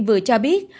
vừa cho biết